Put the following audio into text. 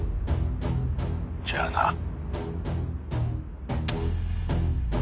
じゃあな。